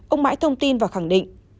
ông mãi thông tin và khẳng định